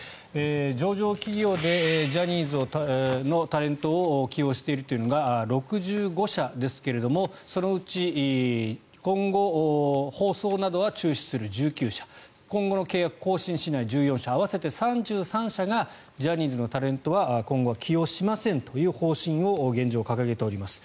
上場企業でジャニーズのタレントを起用しているというのが６５社ですけれどもそのうち今後放送などは中止する、１９社今後の契約更新しない、１４社合わせて３３社がジャニーズのタレントは今後起用しませんという方針を現状掲げております。